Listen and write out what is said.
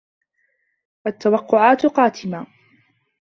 التوقعات قاتمة.